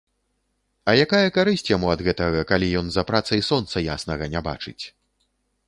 А якая карысць яму ад гэтага, калі ён за працай сонца яснага не бачыць?